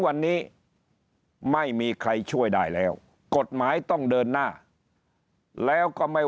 วันนี้ไม่มีใครช่วยได้แล้วกฎหมายต้องเดินหน้าแล้วก็ไม่